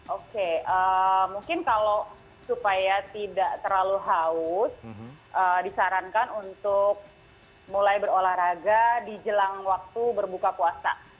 oke mungkin kalau supaya tidak terlalu haus disarankan untuk mulai berolahraga di jelang waktu berbuka puasa